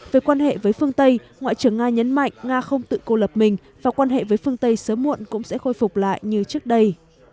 về quan hệ với phương tây ngoại trưởng nga nhấn mạnh nga không tự cô lập mình và quan hệ với phương tây sớm muộn cũng sẽ khôi phục lại như trước đây